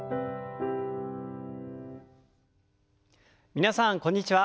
皆さんこんにちは。